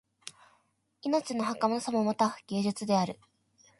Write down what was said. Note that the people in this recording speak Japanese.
命のはかなさもまた芸術である